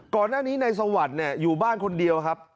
ก่อนหน้านี้ในสวรรค์เนี่ยอยู่บ้านคนเดียวครับ